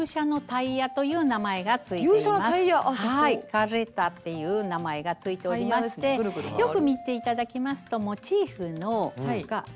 「カレッタ」っていう名前が付いておりましてよく見て頂きますとモチーフが全部種類が違います。